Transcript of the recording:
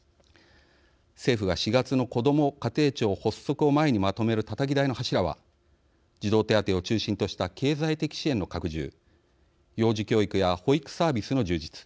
政府が４月のこども家庭庁発足を前にまとめるたたき台の柱は児童手当を中心とした経済的支援の拡充幼児教育や保育サービスの充実